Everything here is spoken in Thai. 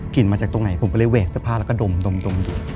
มาจากตรงไหนผมก็เลยแหวกเสื้อผ้าแล้วก็ดมดู